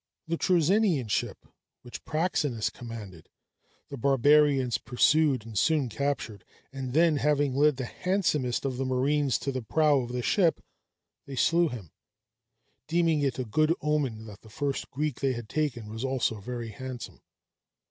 The Troezenian ship, which Praxinus commanded, the barbarians pursued and soon captured; and then, having led the handsomest of the marines to the prow of the ship, they slew him, deeming it a good omen that the first Greek they had taken was also very handsome.